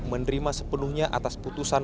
menerima sepenuhnya atas putusan